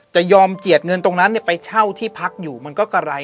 จะยอมเจียดเงินตรงนั้นไปเช่าที่พักอยู่มันก็กะไร